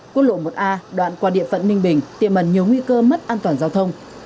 quốc lộ một a đoạn qua địa phận ninh bình tiềm ẩn nhiều nguy cơ mất an toàn giao thông